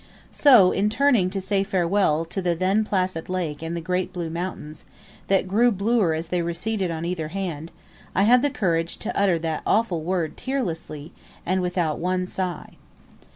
So, in turning to say farewell to the then placid lake and the great blue mountains, that grew bluer as they receded on either hand, I had the courage to utter that awful word tearlessly, and without one sigh.